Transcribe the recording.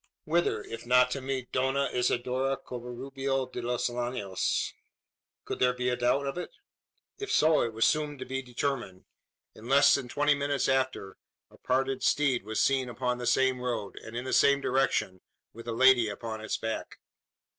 Whither, if not to meet Dona Isidora Covarubio de los Llanos? Could there be a doubt of it? If so, it was soon to be determined. In less than twenty minutes after, a parded steed was seen upon the same road and in the same direction with a lady upon its back.